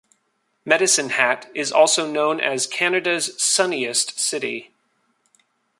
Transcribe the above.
Medicine Hat is also known as Canada's sunniest city.